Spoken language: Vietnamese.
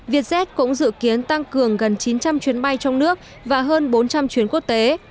vietjet cũng dự kiến tăng cường gần chín trăm linh chuyến bay trong nước và hơn bốn trăm linh chuyến quốc tế